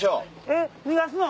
えっ逃がすの？